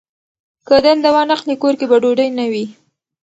که دنده وانخلي، کور کې به ډوډۍ نه وي.